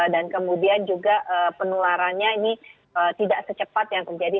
dan kemudian juga penularannya ini tidak secepat yang terjadi